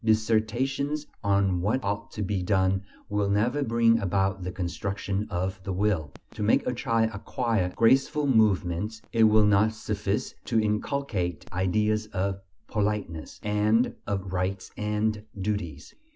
Dissertations on what ought to be done will never bring about the construction of the will; to make a child acquire graceful movements, it will not suffice to inculcate "ideas of politeness" and of "rights and duties."